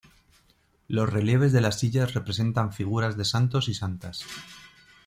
Los relieves de las sillas representan figuras de santos y santas.